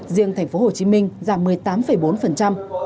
riêng tp hcm giảm một mươi tám bốn